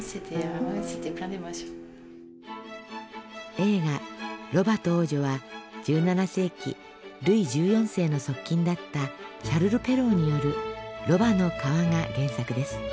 映画「ロバと王女」は１７世紀ルイ１４世の側近だったシャルル・ペローによる「ロバの皮」が原作です。